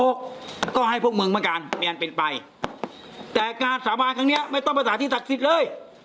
โทษหกก็ให้พวกมึงมันการเปลี่ยนเป็นไปแต่งานสาบานครั้งเนี้ยไม่ต้องไปสถานที่ศักดิ์สิทธิ์เลย